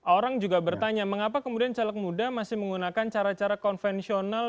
orang juga bertanya mengapa kemudian caleg muda masih menggunakan cara cara konvensional